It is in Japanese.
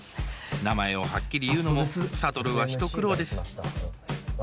名前をはっきり言うのも諭は一苦労です。